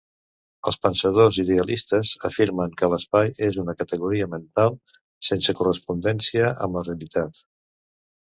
Els pensadors idealistes afirmen que l'espai és una categoria mental, sense correspondència amb la realitat.